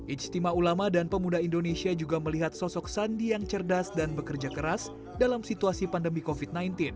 ijtima ulama dan pemuda indonesia juga melihat sosok sandi yang cerdas dan bekerja keras dalam situasi pandemi covid sembilan belas